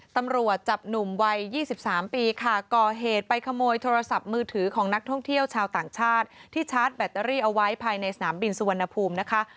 ตำรวจจับหนุ่มวัย๒๓ปีค่ะก่อเหตุไปขโมยโทรศัพท์มือถือของนักท่องเที่ยวชาวต่างชาติที่ชาร์จแบตเตอรี่เอาไว้ภายในสนามบินสุวรรณภูมินะคะ